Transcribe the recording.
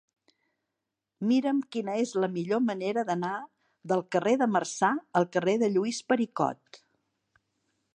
Mira'm quina és la millor manera d'anar del carrer de Marçà al carrer de Lluís Pericot.